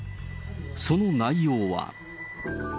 その内容は。